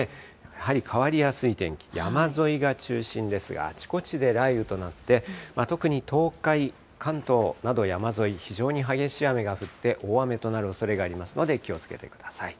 やはり変わりやすい天気、山沿いが中心ですが、あちこちで雷雨となって、特に東海、関東など山沿い、非常に激しい雨が降って大雨となるおそれがありますので気をつけてください。